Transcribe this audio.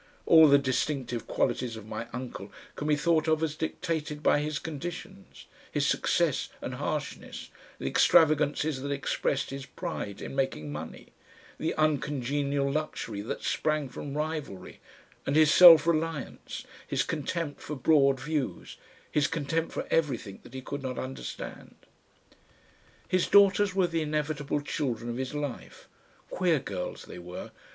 All the distinctive qualities of my uncle can be thought of as dictated by his conditions; his success and harshness, the extravagances that expressed his pride in making money, the uncongenial luxury that sprang from rivalry, and his self reliance, his contempt for broad views, his contempt for everything that he could not understand. His daughters were the inevitable children of his life. Queer girls they were!